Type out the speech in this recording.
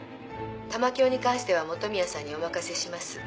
玉響に関しては本宮さんにお任せします